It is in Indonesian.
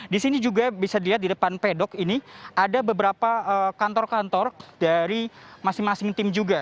di sini juga bisa dilihat di depan pedok ini ada beberapa kantor kantor dari masing masing tim juga